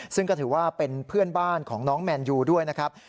ซึ่งก็ถือว่าเป็นเพื่อนบ้านของน้องแมนยูด้วยนะครับ